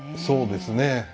そうですね。